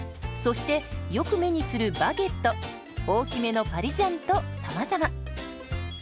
そしてよく目にするバゲット大きめのパリジャンとさまざま。